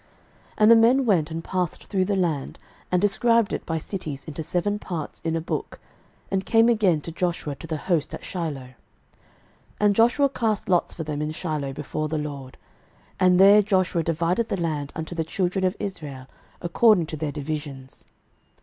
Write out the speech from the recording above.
06:018:009 And the men went and passed through the land, and described it by cities into seven parts in a book, and came again to Joshua to the host at Shiloh. 06:018:010 And Joshua cast lots for them in Shiloh before the LORD: and there Joshua divided the land unto the children of Israel according to their divisions.